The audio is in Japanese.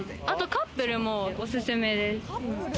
カップルにもおすすめです。